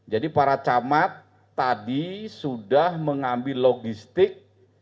jadi para camat tadi sudah mengambil logistik